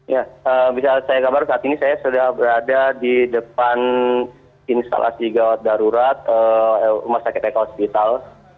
ya bisa saya kabar saat ini saya sudah berada di depan instalasi gawat darurat rumah sakit eko hospital